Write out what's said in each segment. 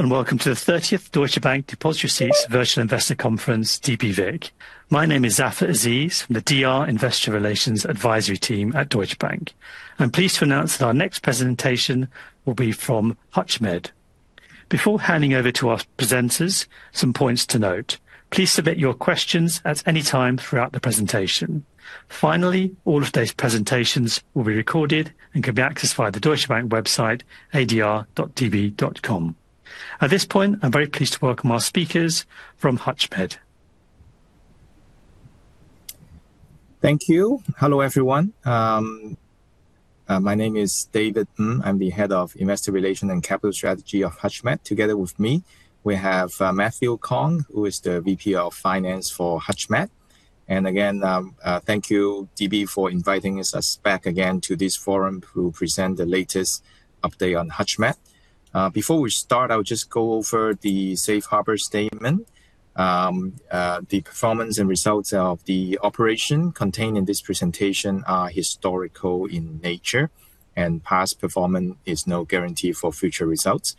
Welcome to the 30th Deutsche Bank deposit receipts virtual investor conference, DBVIC. My name is Zafar Aziz from the DR Investor Relations Advisory Team at Deutsche Bank. I'm pleased to announce that our next presentation will be from HUTCHMED. Before handing over to our presenters, some points to note. Please submit your questions at any time throughout the presentation. Finally, all of today's presentations will be recorded and can be accessed via the Deutsche Bank website, adr.db.com. At this point, I'm very pleased to welcome our speakers from HUTCHMED. Thank you. Hello, everyone. My name is David Ng. I'm the Head of Investor Relations and Capital Strategies of HUTCHMED. Together with me, we have Matthew Kwong, who is the VP of Finance for HUTCHMED. Again, thank you, DB, for inviting us back again to this forum to present the latest update on HUTCHMED. Before we start, I'll just go over the safe harbor statement. The performance and results of the operation contained in this presentation are historical in nature, and past performance is no guarantee for future results.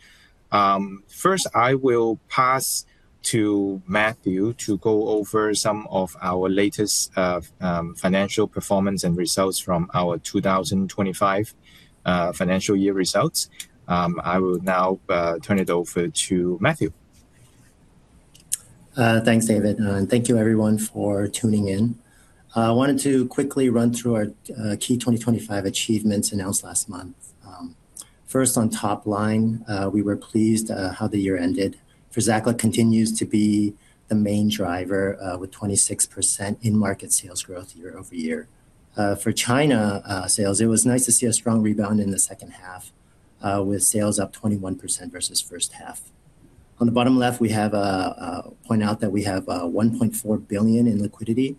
First, I will pass to Matthew to go over some of our latest financial performance and results from our 2025 financial year results. I will now turn it over to Matthew. Thanks, David. Thank you everyone for tuning in. I wanted to quickly run through our key 2025 achievements announced last month. First, on top line, we were pleased how the year ended. FRUZAQLA continues to be the main driver, with 26% in market sales growth year-over-year. For China sales, it was nice to see a strong rebound in the second half, with sales up 21% versus first half. On the bottom left, we point out that we have $1.4 billion in liquidity,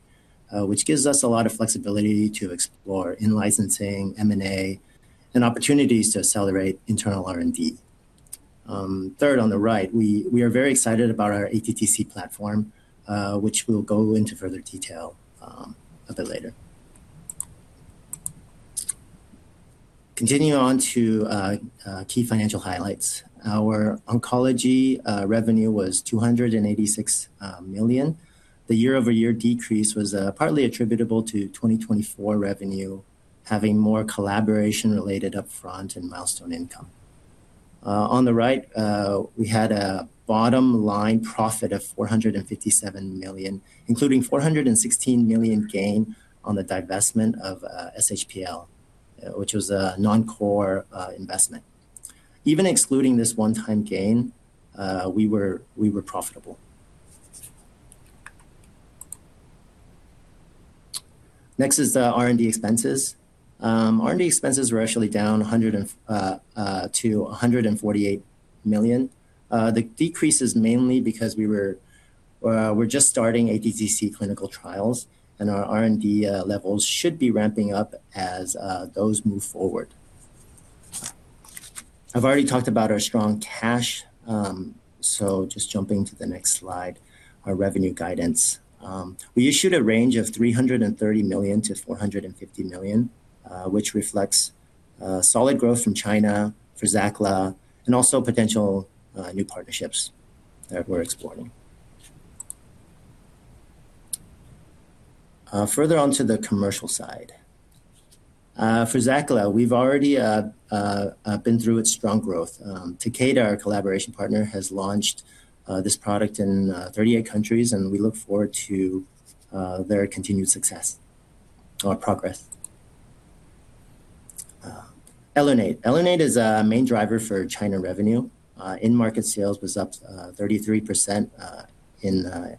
which gives us a lot of flexibility to explore in-licensing, M&A, and opportunities to accelerate internal R&D. Third, on the right, we are very excited about our ATTC platform, which we'll go into further detail a bit later. Continuing on to key financial highlights. Our oncology revenue was $286 million. The year-over-year decrease was partly attributable to 2024 revenue having more collaboration related up front and milestone income. On the right, we had a bottom line profit of $457 million, including $416 million gain on the divestment of SHPL, which was a non-core investment. Even excluding this one-time gain, we were profitable. Next is the R&D expenses. R&D expenses were actually down to $148 million. The decrease is mainly because we're just starting ATTC clinical trials, and our R&D levels should be ramping up as those move forward. I've already talked about our strong cash, just jumping to the next slide, our revenue guidance. We issued a range of $330 million-$450 million, which reflects solid growth from China for FRUZAQLA and also potential new partnerships that we're exploring. Further on to the commercial side. For FRUZAQLA, we've already been through its strong growth. Takeda, our collaboration partner, has launched this product in 38 countries, and we look forward to their continued success or progress. ELUNATE. ELUNATE is a main driver for China revenue. In-market sales was up 33% in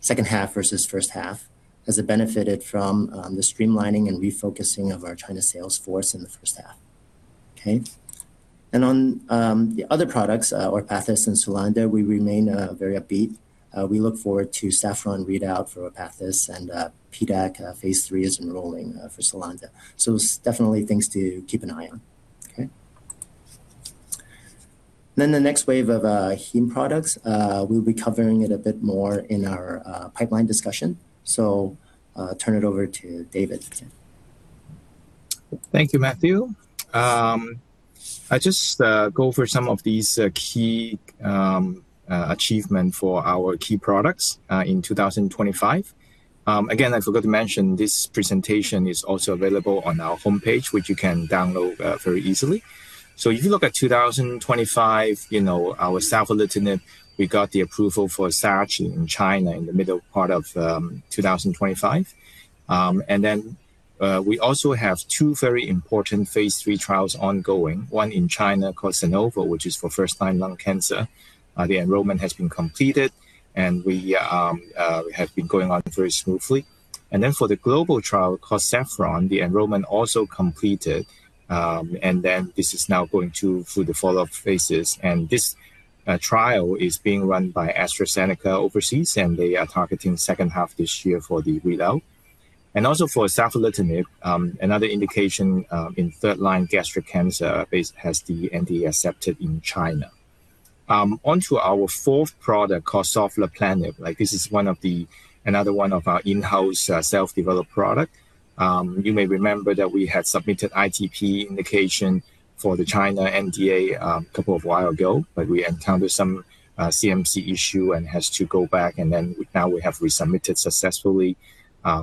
second half versus first half, as it benefited from the streamlining and refocusing of our China sales force in the first half. Okay? On the other products, ORPATHYS and SULANDA, we remain very upbeat. We look forward to SAFFRON readout for ORPATHYS and PDAC phase III is enrolling for SULANDA. Definitely things to keep an eye on. Okay? The next wave of heme products, we'll be covering it a bit more in our pipeline discussion. Turn it over to David. Thank you, Matthew. I just go over some of these key achievement for our key products in 2025. Again, I forgot to mention this presentation is also available on our homepage, which you can download very easily. If you look at 2025, you know, our Savolitinib, we got the approval for SACHI in China in the middle part of 2025. We also have two very important phase III trials ongoing. One in China called SANOVO, which is for first-line lung cancer. The enrollment has been completed, we have been going on very smoothly. For the global trial called SAFFRON, the enrollment also completed. This is now going through the follow-up phases. This trial is being run by AstraZeneca overseas. They are targeting second half this year for the readout. Also for Savolitinib, another indication in third line gastric cancer has the NDA accepted in China. Onto our fourth product called sovleplenib. Like, this is another one of our in-house self-developed product. You may remember that we had submitted ITP indication for the China NDA couple of while ago, but we encountered some CMC issue and has to go back. Now we have resubmitted successfully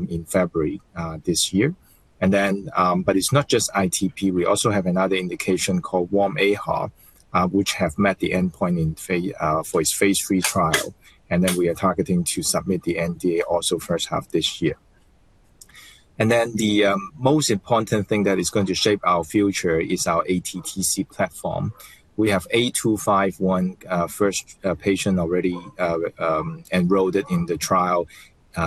in February this year. But it is not just ITP. We also have another indication called Warm AIHA, which have met the endpoint for its phase III trial. We are targeting to submit the NDA also first half this year. The most important thing that is going to shape our future is our ATTC platform. We have A251, first patient already enrolled it in the trial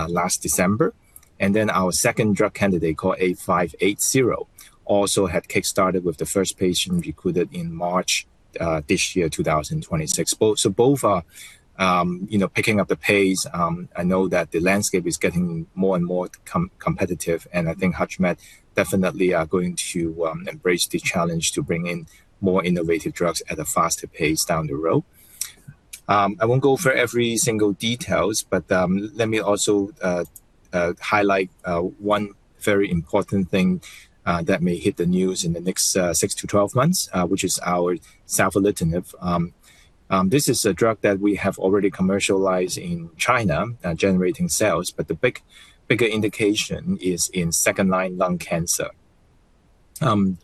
last December. Our second drug candidate, called A580, also had kickstarted with the first patient recruited in March this year, 2026. Both are, you know, picking up the pace. I know that the landscape is getting more and more competitive, and I think HUTCHMED definitely are going to embrace the challenge to bring in more innovative drugs at a faster pace down the road. I won't go for every single details, but let me also highlight one very important thing that may hit the news in the next six months-12 months, which is our savolitinib. This is a drug that we have already commercialized in China, generating sales, but the bigger indication is in second-line lung cancer.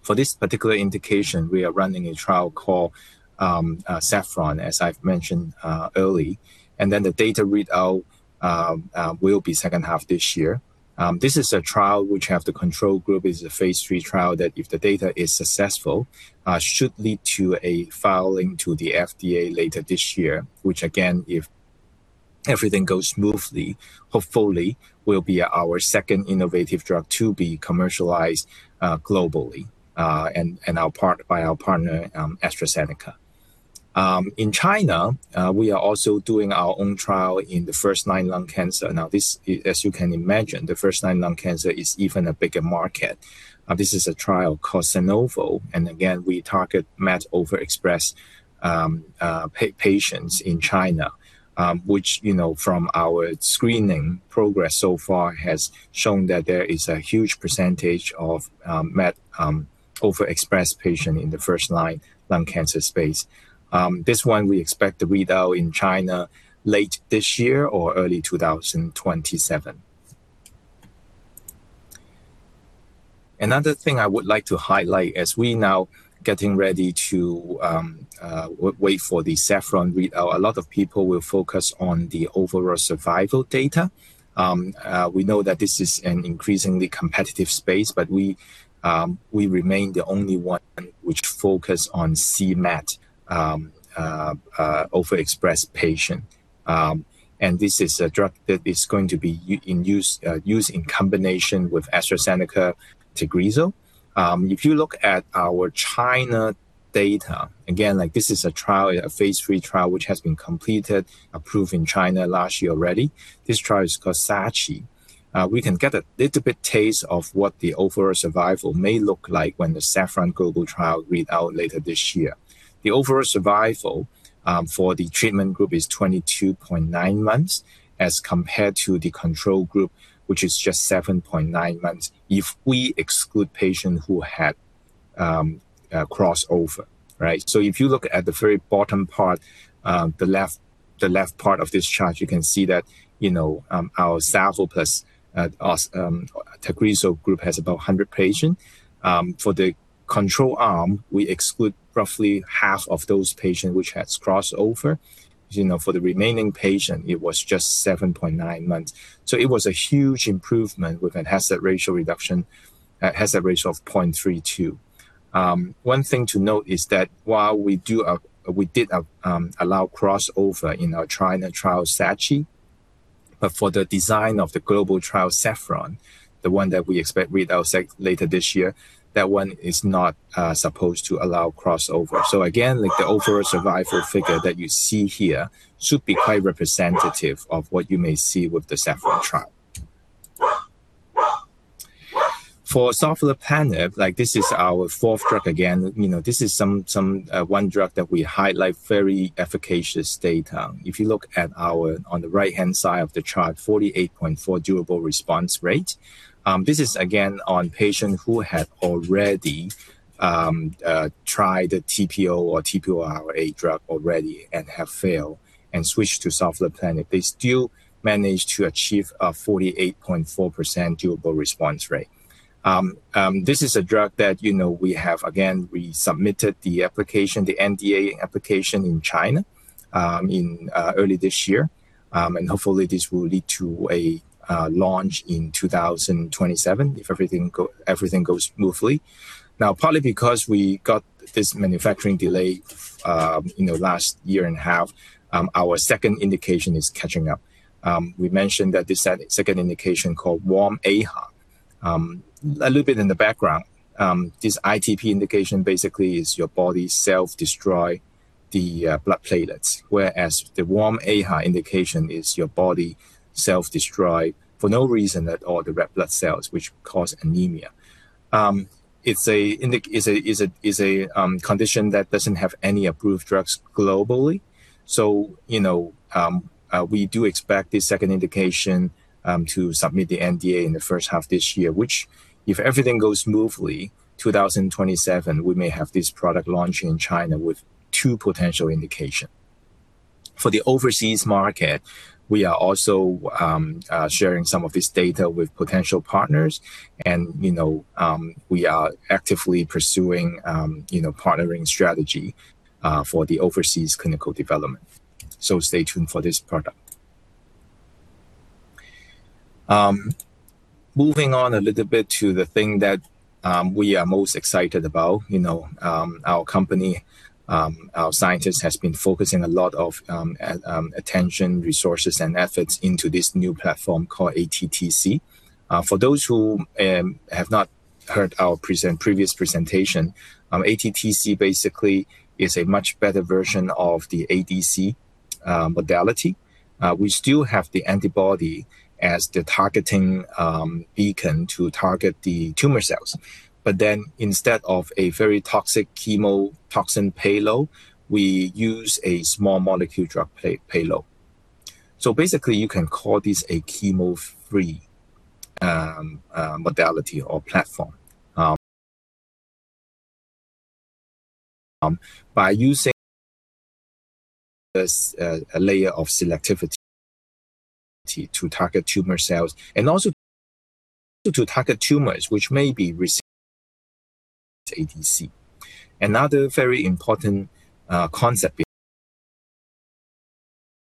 For this particular indication, we are running a trial called SAFFRON, as I've mentioned early. The data readout will be second half this year. This is a trial which have the control group. It's a phase III trial that if the data is successful, should lead to a filing to the FDA later this year, which again, if everything goes smoothly, hopefully, will be our second innovative drug to be commercialized globally by our partner, AstraZeneca. In China, we are also doing our own trial in the first-line lung cancer. Now this, as you can imagine, the first-line lung cancer is even a bigger market. This is a trial called SANOVO. Again, we target MET overexpressed patients in China, which, you know, from our screening progress so far has shown that there is a huge percentage of MET overexpressed patient in the first-line lung cancer space. This one we expect to read out in China late this year or early 2027. Another thing I would like to highlight as we now getting ready to wait for the SAFFRON readout, a lot of people will focus on the overall survival data. We know that this is an increasingly competitive space, but we remain the only one which focus on c-MET overexpressed patient. This is a drug that is going to be used in combination with AstraZeneca Tagrisso. If you look at our China data, again, like this is a trial, a phase III trial, which has been completed, approved in China last year already. This trial is called SACHI. We can get a little bit taste of what the overall survival may look like when the SAFFRON global trial read out later this year. The overall survival for the treatment group is 22.9 months as compared to the control group, which is just 7.9 months if we exclude patient who had crossover, right? If you look at the very bottom part, the left part of this chart, you can see that, you know, our savol plus Tagrisso group has about 100 patient. For the control arm, we exclude roughly half of those patient which has crossover. You know, for the remaining patient, it was just 7.9 months. It was a huge improvement with a hazard ratio reduction, hazard ratio of 0.32. One thing to note is that while we do, we did allow crossover in our China trial SACHI, but for the design of the global trial SAFFRON, the one that we expect readout later this year, that one is not supposed to allow crossover. Again, like the overall survival figure that you see here should be quite representative of what you may see with the SAFFRON trial. For sovleplenib, like this is our fourth drug again. You know, this is one drug that we highlight very efficacious data. If you look at our, on the right-hand side of the chart, 48.4 durable response rate. This is again on patient who had already tried a TPO or TPO-RA drug already and have failed and switched to sovleplenib. They still managed to achieve a 48.4% durable response rate. This is a drug that, you know, we have again resubmitted the application, the NDA application in China, in early this year. Hopefully this will lead to a launch in 2027 if everything goes smoothly. Partly because we got this manufacturing delay, in the last year and a half, our second indication is catching up. We mentioned that the second indication called Warm AIHA, a little bit in the background, this ITP indication basically is your body self-destroy the blood platelets, whereas the Warm AIHA indication is your body self-destroy for no reason at all the red blood cells which cause anemia. It's a condition that doesn't have any approved drugs globally. You know, we do expect this second indication to submit the NDA in the first half of this year, which if everything goes smoothly, 2027, we may have this product launching in China with two potential indication. For the overseas market, we are also sharing some of this data with potential partners and, you know, we are actively pursuing, you know, partnering strategy for the overseas clinical development. Stay tuned for this product. Moving on a little bit to the thing that we are most excited about. You know, our company, our scientist has been focusing a lot of attention, resources, and efforts into this new platform called ATTC. For those who have not heard our previous presentation, ATTC basically is a much better version of the ADC modality. We still have the antibody as the targeting beacon to target the tumor cells. Instead of a very toxic chemo toxin payload, we use a small molecule drug payload. Basically, you can call this a chemo-free modality or platform. By using this layer of selectivity to target tumor cells and also to target tumors which may be resistant to ADC. Another very important concept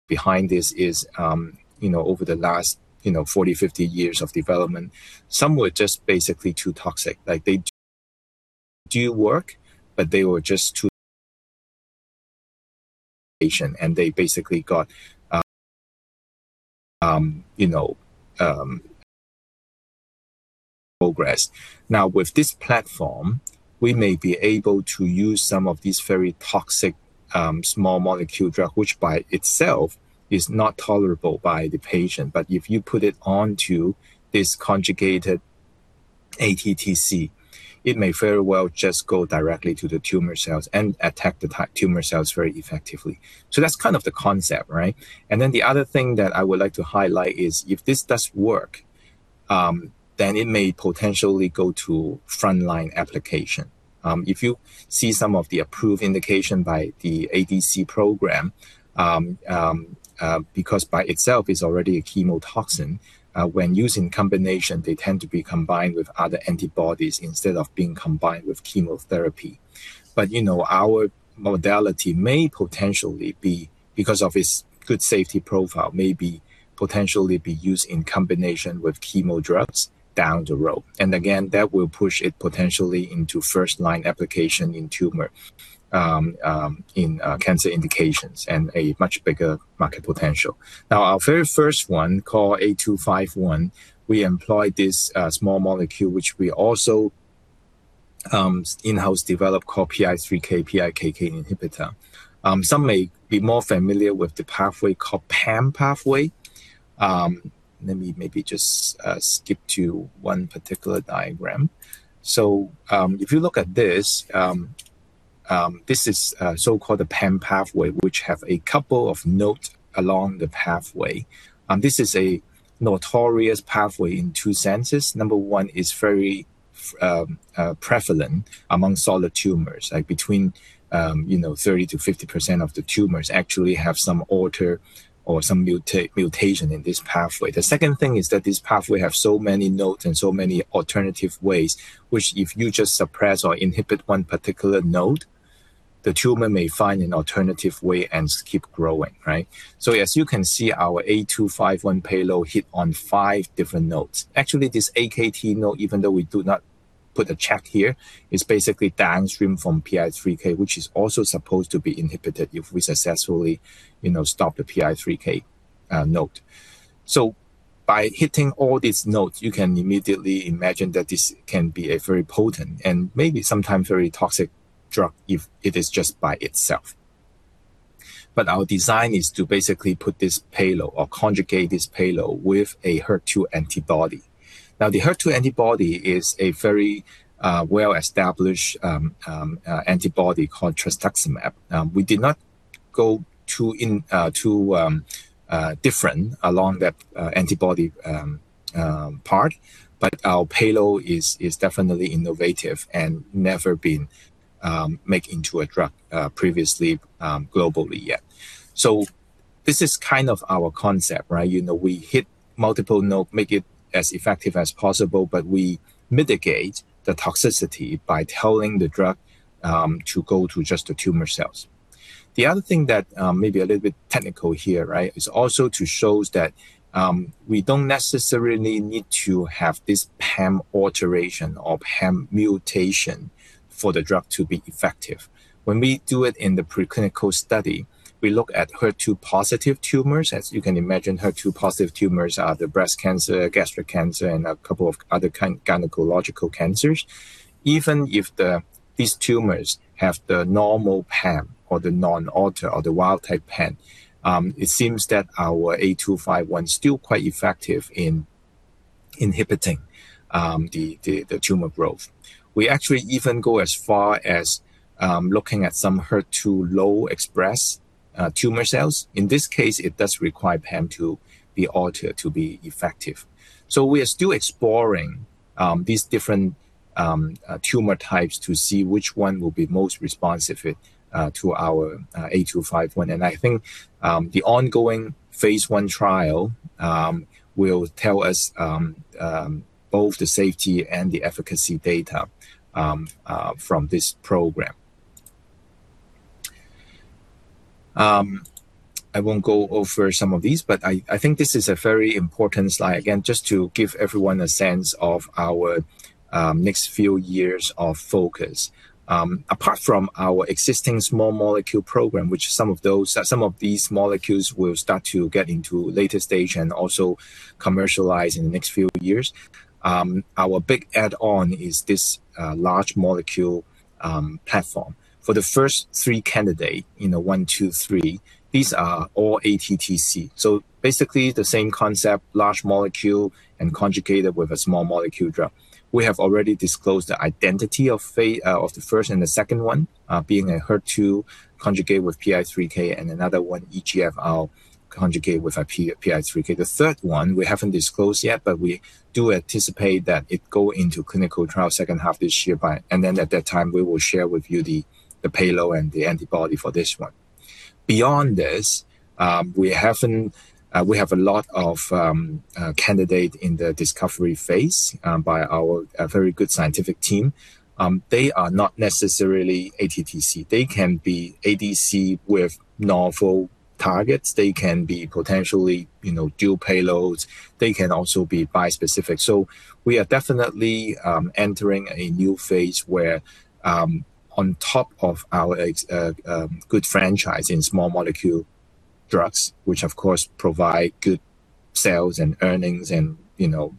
behind this is, you know, over the last, you know, 40 years, 50 years of development, some were just basically too toxic. Like they do work, but they were just too toxic for the patient, and they basically got progressed. Now with this platform, we may be able to use some of these very toxic small molecule drug, which by itself is not tolerable by the patient. But if you put it onto this conjugated ATTC, it may very well just go directly to the tumor cells and attack the tumor cells very effectively. That's kind of the concept, right? The other thing that I would like to highlight is if this does work, then it may potentially go to frontline application. If you see some of the approved indication by the ADC program, because by itself is already a chemotoxin, when used in combination, they tend to be combined with other antibodies instead of being combined with chemotherapy. You know, our modality may potentially be, because of its good safety profile, may be potentially be used in combination with chemo drugs down the road. Again, that will push it potentially into first line application in tumor, in cancer indications and a much bigger market potential. Our very first one called A251, we employ this small molecule which we also in-house develop called PI3K/PIKK inhibitor. Some may be more familiar with the pathway called PAM pathway. Let me maybe just skip to one particular diagram. If you look at this is so-called the PAM pathway, which has a couple of nodes along the pathway. This is a notorious pathway in two senses. Number one is very prevalent among solid tumors, like between, you know, 30%-50% of the tumors actually have some alter or some mutation in this pathway. The second thing is that this pathway has so many nodes and so many alternative ways, which if you just suppress or inhibit one particular node, the tumor may find an alternative way and keep growing, right. As you can see, our A251 payload hit on five different nodes. Actually, this AKT node, even though we do not put a check here, is basically downstream from PI3K, which is also supposed to be inhibited if we successfully, you know, stop the PI3K node. By hitting all these nodes, you can immediately imagine that this can be a very potent and maybe sometimes very toxic drug if it is just by itself. Our design is to basically put this payload or conjugate this payload with a HER2 antibody. Now, the HER2 antibody is a very well-established antibody called trastuzumab. We did not go too in too different along that antibody part, but our payload is definitely innovative and never been made into a drug previously globally yet. This is kind of our concept, right? You know, we hit multiple node, make it as effective as possible, but we mitigate the toxicity by telling the drug to go to just the tumor cells. The other thing that may be a little bit technical here, right? Is also to shows that we don't necessarily need to have this PAM alteration or PAM mutation for the drug to be effective. When we do it in the preclinical study, we look at HER2 positive tumors. As you can imagine, HER2 positive tumors are the breast cancer, gastric cancer, and a couple of other gynecological cancers. Even if these tumors have the normal PAM or the non-alter or the wild type PAM, it seems that our HMPL-A251's still quite effective in inhibiting the tumor growth. We actually even go as far as looking at some HER2 low express tumor cells. In this case, it does require PAM to be altered to be effective. We are still exploring these different tumor types to see which one will be most responsive with to our A251. I think the ongoing phase I trial will tell us both the safety and the efficacy data from this program. I won't go over some of these, but I think this is a very important slide, again, just to give everyone a sense of our next few years of focus. Apart from our existing small molecule program, which some of these molecules will start to get into later stage and also commercialize in the next few years, our big add-on is this large molecule platform. For the first three candidate, you know, one, two, three, these are all ATTC. Basically the same concept, large molecule and conjugated with a small molecule drug. We have already disclosed the identity of the first and the second one, being a HER2 conjugate with PI3K and another one EGFR conjugate with a PI3K. The third one we haven't disclosed yet, but we do anticipate that it go into clinical trial second half this year. At that time, we will share with you the payload and the antibody for this one. Beyond this, we have a lot of candidate in the discovery phase by our very good scientific team. They are not necessarily ATTC. They can be ADC with novel targets. They can be potentially, you know, dual payloads. They can also be bispecific. We are definitely entering a new phase where on top of our good franchise in small molecule drugs, which of course provide good sales and earnings and, you know,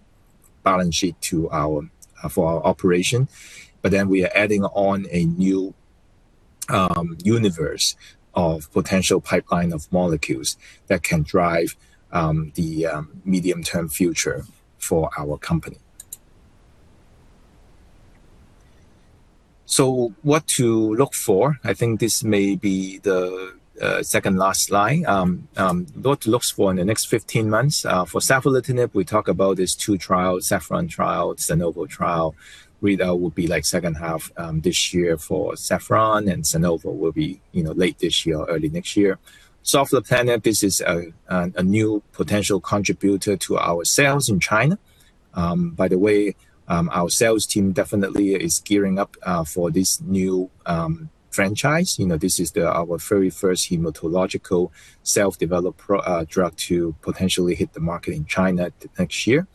balance sheet to our for our operation, but then we are adding on a new universe of potential pipeline of molecules that can drive the medium-term future for our company. What to look for, I think this may be the second last slide. What to look for in the next 15 months for savolitinib, we talk about these two trials, SAFFRON trial, SANOVO trial. Readout will be like second half this year for SAFFRON, and SANOVO will be, you know, late this year or early next year. sovleplenib, this is a new potential contributor to our sales in China. By the way, our sales team definitely is gearing up for this new franchise. You know, this is our very first hematological self-developed drug to potentially hit the market in China next year.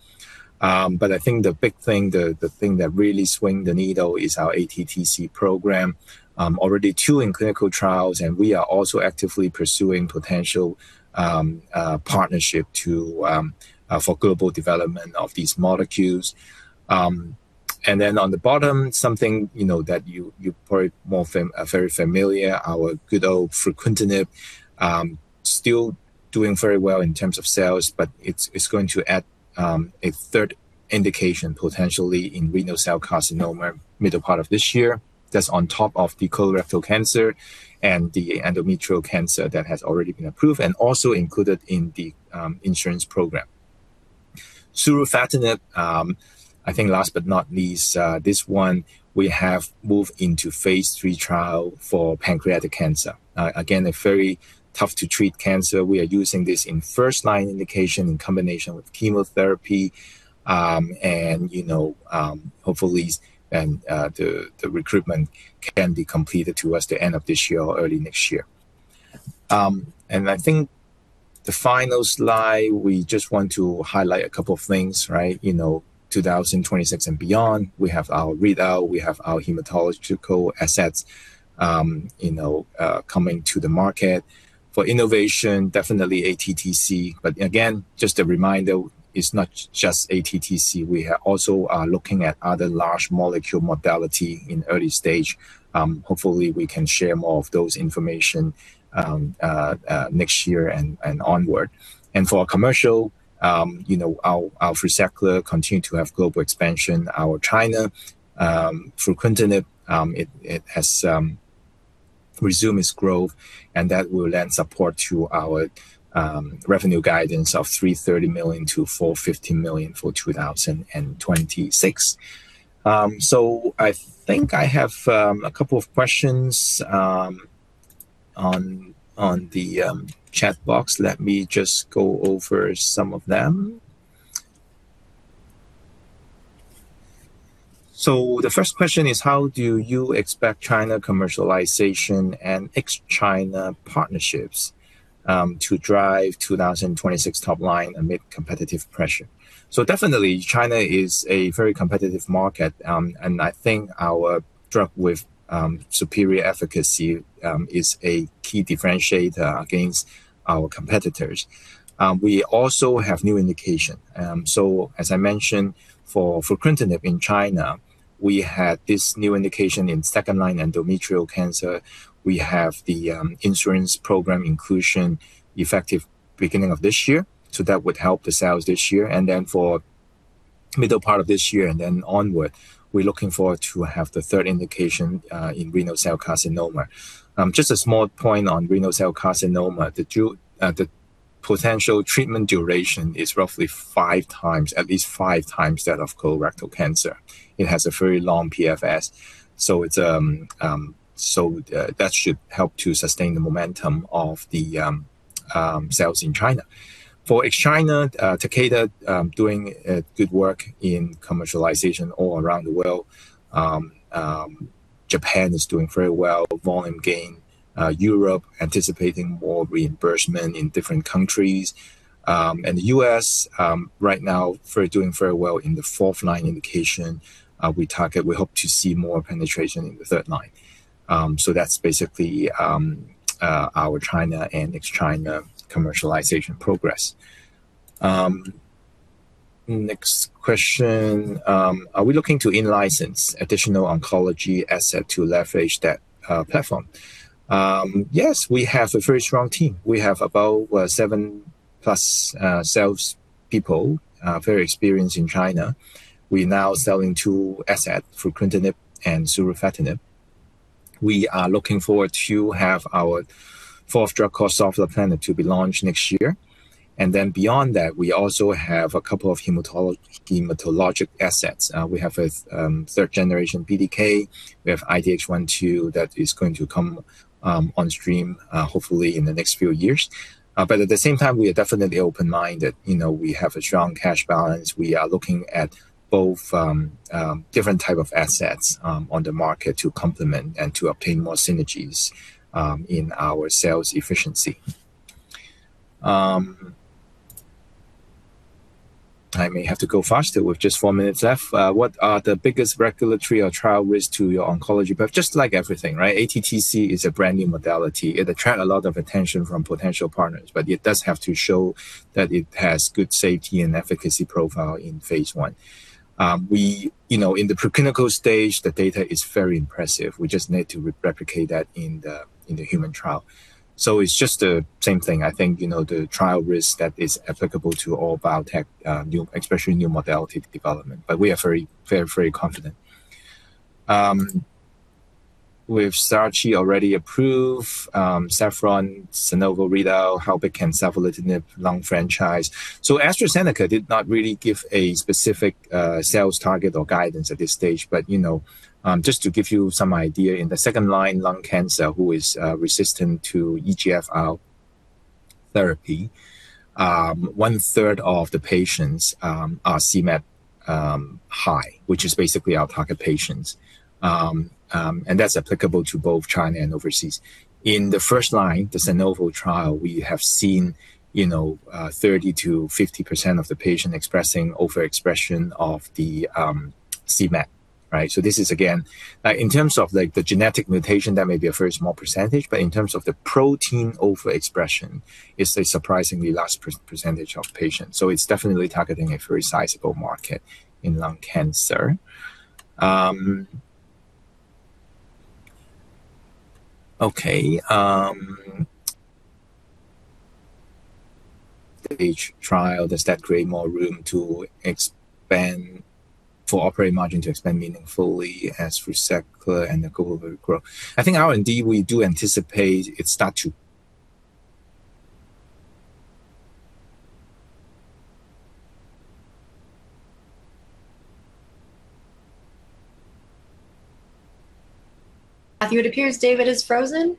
I think the big thing, the thing that really swing the needle is our ATTC program. Already two in clinical trials, and we are also actively pursuing potential partnership to for global development of these molecules. On the bottom, something, you know, that you probably more very familiar, our good old fruquintinib, still doing very well in terms of sales, but it's going to add a third indication potentially in renal cell carcinoma middle part of this year. That's on top of the colorectal cancer and the endometrial cancer that has already been approved and also included in the insurance program. surufatinib, I think last but not least, this one we have moved into phase III trial for pancreatic cancer. Again, a very tough to treat cancer. We are using this in first line indication in combination with chemotherapy, you know, hopefully the recruitment can be completed towards the end of this year or early next year. I think the final slide, we just want to highlight a couple of things, right? You know, 2026 and beyond, we have our readout, we have our hematological assets, you know, coming to the market. For innovation, definitely ATTC, but again, just a reminder, it's not just ATTC. We are also looking at other large molecule modality in early stage. Hopefully, we can share more of those information next year and onward. For our commercial, you know, our FRUZAQLA continue to have global expansion. Our China fruquintinib, it has resumed its growth, and that will lend support to our revenue guidance of $330 million-$450 million for 2026. I think I have a couple of questions on the chat box. Let me just go over some of them. So the first question is how do you expect China commercialization and ex-China partnerships to drive 2026 top line amid competitive pressure? Definitely China is a very competitive market, and I think our drug with superior efficacy is a key differentiator against our competitors. We also have new indication. As I mentioned, for fruquintinib in China, we had this new indication in second line endometrial cancer. We have the insurance program inclusion effective beginning of this year, that would help the sales this year. For middle part of this year and then onward, we're looking forward to have the third indication in renal cell carcinoma. Just a small point on renal cell carcinoma. The potential treatment duration is roughly five times, at least five times that of colorectal cancer. It has a very long PFS. That should help to sustain the momentum of the sales in China. For ex-China, Takeda doing good work in commercialization all around the world. Japan is doing very well, volume gain. Europe anticipating more reimbursement in different countries. The U.S., right now doing very well in the fourth line indication. We hope to see more penetration in the third line. That's basically our China and ex-China commercialization progress. Next question. Are we looking to in-license additional oncology asset to leverage that platform? Yes, we have a very strong team. We have about seven plus sales people, very experienced in China. We now selling two asset, fruquintinib and surufatinib. We are looking forward to have our fourth drug sovleplenib to be launched next year. Beyond that, we also have a couple of hematologic assets. We have a third generation PI3K. We have IDH1/2 that is going to come on stream hopefully in the next few years. At the same time, we are definitely open mind that, you know, we have a strong cash balance. We are looking at both different type of assets on the market to complement and to obtain more synergies in our sales efficiency. I may have to go faster with just four minutes left. What are the biggest regulatory or trial risk to your oncology pipe? Just like everything, right? ATTC is a brand new modality. It attract a lot of attention from potential partners, but it does have to show that it has good safety and efficacy profile in phase I. You know, in the preclinical stage, the data is very impressive. We just need to replicate that in the, in the human trial. It's just the same thing. I think, you know, the trial risk that is applicable to all biotech, especially new modality development, but we are very confident. With SACHI already approved, SAFFRON, SANOVO, regarding savolitinib lung franchise. AstraZeneca did not really give a specific sales target or guidance at this stage but, you know, just to give you some idea, in the second line lung cancer who is resistant to EGFR therapy, one third of the patients are c-MET high, which is basically our target patients. And that's applicable to both China and overseas. In the first line, the SANOVO trial, we have seen, you know, 30%-50% of the patient expressing overexpression of the c-MET, right? This is again, in terms of like the genetic mutation, that may be a very small percentage, but in terms of the protein overexpression, it's a surprisingly large percentage of patients. It's definitely targeting a very sizable market in lung cancer. Okay. Stage trial, does that create more room to expand for operating margin to expand meaningfully as Ruseq and the global grow? I think R&D, we do anticipate it start to. Matthew, it appears David is frozen.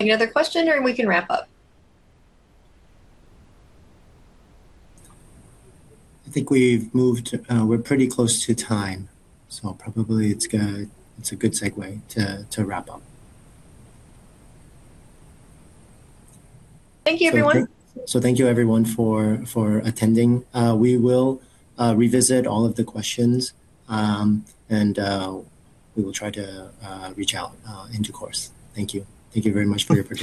Any other question or we can wrap up? I think we've moved, we're pretty close to time, probably it's a good segue to wrap up. Thank you, everyone. Thank you everyone for attending. We will revisit all of the questions, and we will try to reach out in due course. Thank you. Thank you very much for your participation